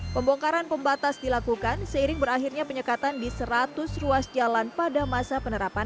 pembongkaran pembatas dilakukan seiring berakhirnya penyekatan di seratus ruas jalan pada masa penerapan